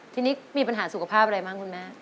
ทีนี้มีปัญหาสุขภาพอะไรบ้างคุณแม่